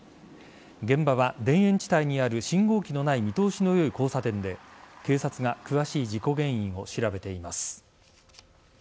現場は田園地帯にある信号機のない見通しの良い交差点で警察が詳しい事故原因を調べています。